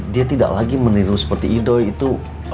dia tidak lagi meniru seperti idoi itu